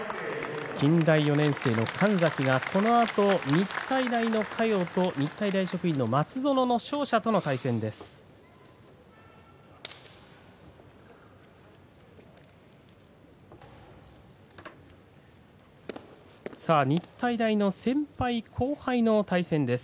近大４年生の神崎が、このあと日体大の嘉陽と日体大職員の松園の勝者との対戦です。